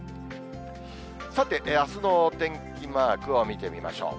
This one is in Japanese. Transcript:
さて、あすのお天気マークを見てみましょう。